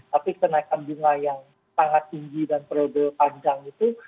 tapi kenaikan bunga yang sangat tinggi dan periode panjang itu